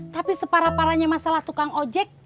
tapi separah parahnya masalah tukang ojek